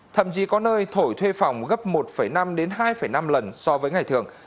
thậm chí có nơi thổi thuê phòng gấp một năm đến hai năm lần so với ngày thường